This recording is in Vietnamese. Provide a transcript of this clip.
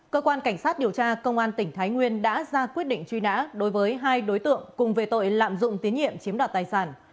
cơ quan cảnh sát điều tra công an tỉnh thái nguyên đã ra quyết định truy nã đối với hai đối tượng cùng về tội lạm dụng tín nhiệm chiếm đoạt tài sản